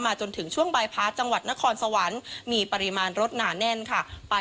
มาจนถึงช่วงจังหวัดนครสวรรค์มีปริมาณรถหนาแน่นค่ะ